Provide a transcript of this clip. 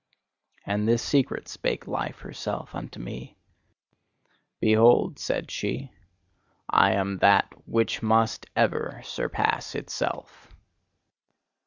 And this secret spake Life herself unto me. "Behold," said she, "I am that WHICH MUST EVER SURPASS ITSELF.